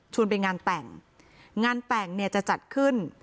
ไปงานแต่งงานแต่งเนี่ยจะจัดขึ้น